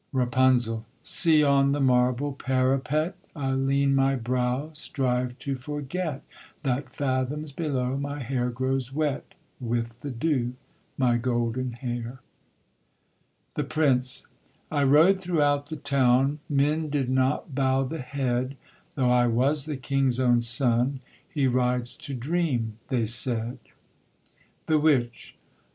RAPUNZEL. See on the marble parapet, I lean my brow, strive to forget That fathoms below my hair grows wet With the dew, my golden hair. THE PRINCE. I rode throughout the town, Men did not bow the head, Though I was the king's own son: He rides to dream, they said. THE WITCH.